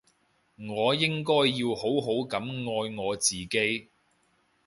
我應該要好好噉愛我自己